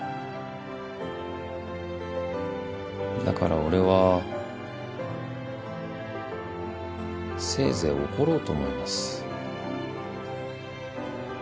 だから俺はせいぜい怒ろうと思います。